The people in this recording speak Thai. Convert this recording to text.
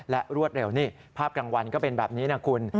และรวดเร็วนี่ภาพกลางวันก็เป็นแบบนี้นะคุณ